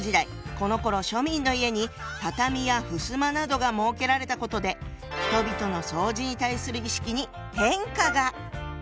このころ庶民の家に畳やふすまなどが設けられたことで人々の掃除に対する意識に変化が！